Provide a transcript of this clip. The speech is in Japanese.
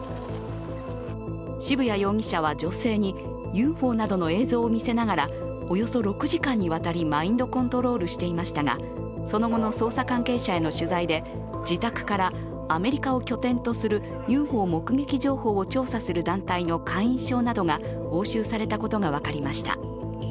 渋谷容疑者は女性に、ＵＦＯなどの映像を見せながらおよそ６時間にわたりマインドコントロールしていましたが、その後の捜査関係者への取材で自宅からアメリカを拠点とするＵＦＯ目撃情報を調査する団体の会員証などが押収されたことが分かりました。